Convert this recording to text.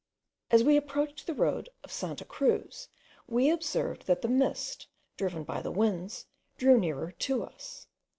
As we approached the road of Santa Cruz we observed that the mist, driven by the winds, drew nearer to us.